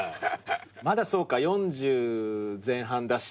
まだそうか４０前半だし